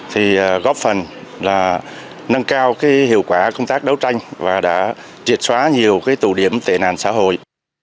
thì góp phần là nâng cao hiệu quả công tác đấu tranh và đã triệt xóa nhiều tù điểm tệ nạn xã hội